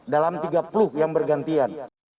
dalam tiga puluh yang bergantian